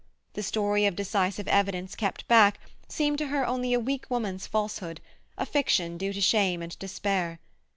The story of decisive evidence kept back seemed to her only a weak woman's falsehood—a fiction due to shame and despair.